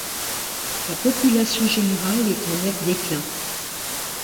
Sa population générale est en net déclin.